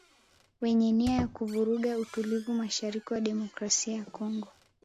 wenye nia ya kuvuruga utulivu mashariki mwa Demokrasia ya Kongo